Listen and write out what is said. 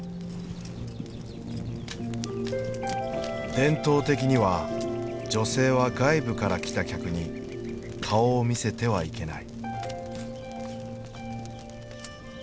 伝統的には女性は外部から来た客に顔を見せてはいけない。